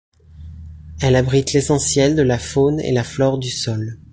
Elle abrite l'essentiel de la faune et la flore du sol.